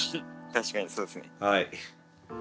確かにそうですね。